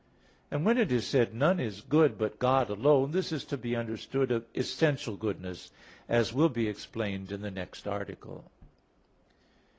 And when it is said, "None is good but God alone," this is to be understood of essential goodness, as will be explained in the next article.